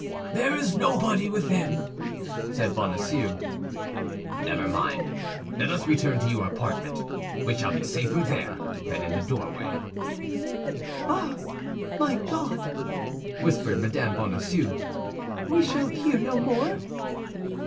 "There is nobody within," said Bonacieux. "Never mind. Let us return to your apartment. We shall be safer there than in the doorway." "Ah, my God!" whispered Mme. Bonacieux, "we shall hear no more."